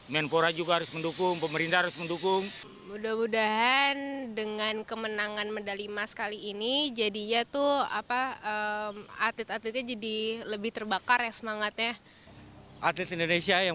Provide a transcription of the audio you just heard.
mas pertama indonesia